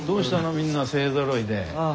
みんな勢ぞろいで。